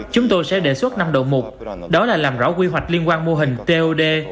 chúng tôi sẽ đề xuất năm đầu mục đó là làm rõ quy hoạch liên quan mô hình tod